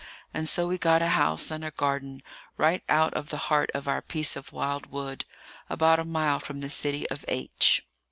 And so we got a house and a garden right out of the heart of our piece of wild wood, about a mile from the city of H